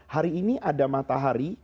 hari ini ada matahari